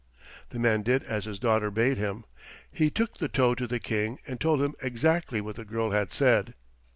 The man did as his daughter bade him. He took the tow to the King and told him exactly what the girl had said.